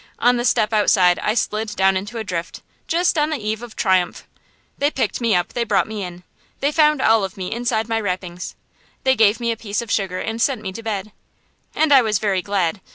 On the step outside I slid down into a drift, just on the eve of triumph. They picked me up; they brought me in. They found all of me inside my wrappings. They gave me a piece of sugar and sent me to bed. And I was very glad.